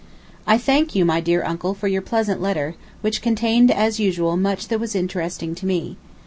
I thank you, my dear Uncle, for your pleasant letter, which contained as usual much that was interesting to me.